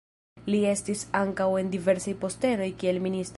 Li estis ankaŭ en diversaj postenoj kiel ministro.